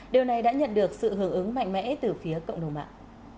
điều này đã nhận được sự hưởng ứng mạnh mẽ từ phía cộng đồng mạng